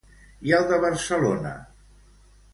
I el de Barcelona?